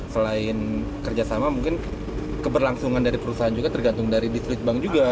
selain kerjasama mungkin keberlangsungan dari perusahaan juga tergantung dari distrik bank juga